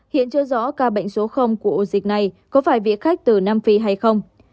hiện chưa rõ ca bệnh số của ổ dịch này có phải vị khách từ nam phi hay không